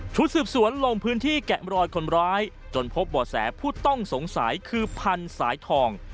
ชุดสืบสวนลงพื้นที่แกะมรอยคนร้ายจนพบบ่อแสผู้ต้องสงสัยคือพันธุ์สายทอง